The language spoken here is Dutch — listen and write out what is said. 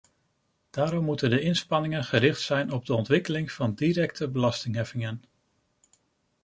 Daarom moeten de inspanningen gericht zijn op de ontwikkeling van directe belastingheffingen.